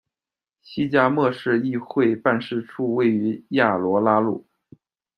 昔加末市议会办事处位于亚罗拉路。